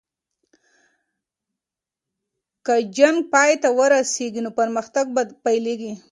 که جنګ پای ته ورسیږي نو پرمختګ پیلیږي.